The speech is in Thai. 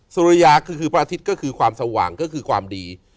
สุริยาคือพระอาทิตย์ก็คือความสว่างก็คือความดี